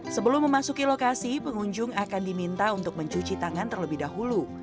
sebelum memasuki lokasi pengunjung akan diminta untuk mencuci tangan terlebih dahulu